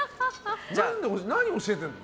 何を教えてるの？